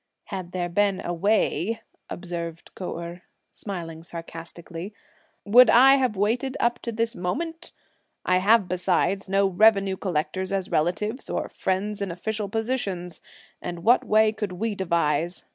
"Had there been a way," observed Kou Erh, smiling sarcastically, "would I have waited up to this moment? I have besides no revenue collectors as relatives, or friends in official positions; and what way could we devise?